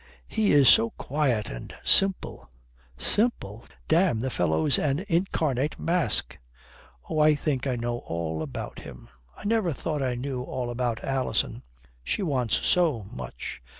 "He is so quiet and simple." "Simple! Damme, the fellow's an incarnate mask." "Oh. I think I know all about him. I never thought I knew all about Alison. She wants so much."